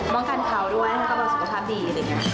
ป้องกันเผาด้วยก็ประสบความดี